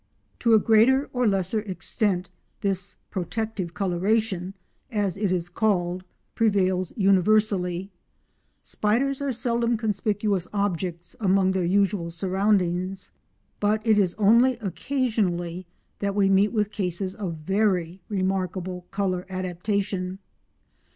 To a greater or less extent this protective coloration as it is called prevails universally:—spiders are seldom conspicuous objects among their usual surroundings, but it is only occasionally that we meet with cases of very remarkable colour adaptation.